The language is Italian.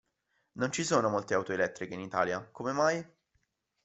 Non ci sono molte auto elettriche in Italia, come mai?